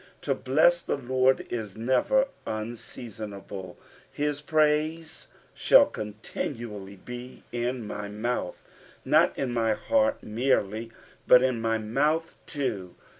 To bless the Lord is never unseasonable. " Si* praise will amtinualty n my mouth," not in my heart merely, but in my mouth too.